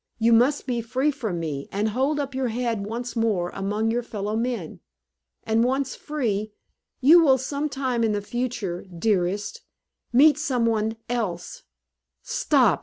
You must be free from me, and hold up your head once more among your fellowmen. And once free, you will some time in the future, dearest, meet some one else " "Stop!